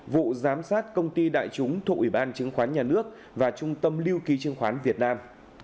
vụ giám sát công ty đại chúng thuộc ủy ban chứng khoán nhà nước và trung tâm lưu ký chứng khoán việt nam